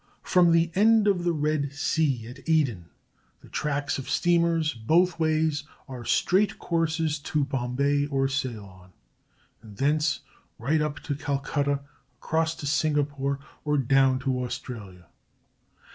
From the end of the Red Sea at Aden, the tracks of steamers both ways are straight courses to Bombay or Ceylon, and thence right up to Calcutta, across to Singapore, or down to Australia.